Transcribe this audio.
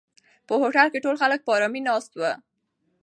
په هوټل کې ټول خلک په آرامۍ ناست وو.